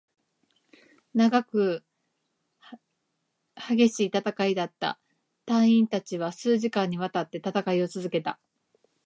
長く、激しい戦いだった。隊員達は数時間に渡って戦いを続けた。